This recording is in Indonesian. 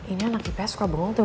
ini anak ips suka beruntung tuh